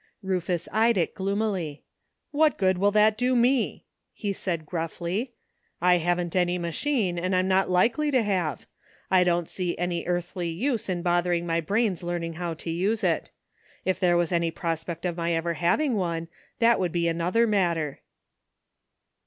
Rufus eyed it gloomily. "What goodwill that do me? " he said gruffly. '' I haven't any machine, and am not likely to have. I don't see any earthly use in bothering my brains learning how to use it. If there was any pros pect of my ever having one that would be another matter."